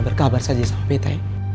berkabar saja sama beta ya